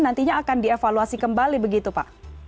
nantinya akan dievaluasi kembali begitu pak